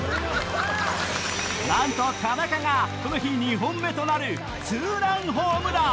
なんと田中がこの日２本目となるツーランホームラン